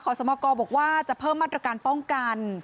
สมกรบอกว่าจะเพิ่มมาตรการป้องกัน